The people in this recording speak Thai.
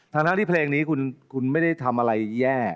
ทั้งที่เพลงนี้คุณไม่ได้ทำอะไรแย่